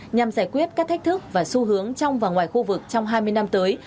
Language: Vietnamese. nhằm giải quyết các thách thức và xu hướng trong và ngoài khu vực trong hai mươi năm tới